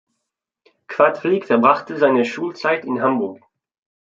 Quadflieg verbrachte seine Schulzeit in Hamburg.